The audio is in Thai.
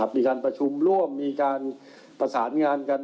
มีการประชุมร่วมมีการประสานงานกัน